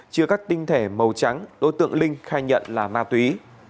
chứa các tinh thể màu trắng đối tượng linh khai nhận là ma túy